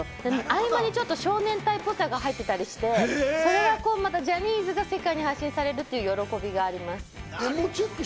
合間にちょっと少年隊っぽさが入ってたりして、ジャニーズが世界に発信されるという喜びがあります。